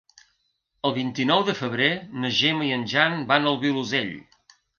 El vint-i-nou de febrer na Gemma i en Jan van al Vilosell.